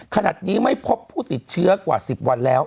ขนาดนี้ไม่พบผู้ติดเชื้อกว่า๑๐วันแล้ว